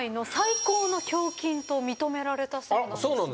認められたそうなんですね。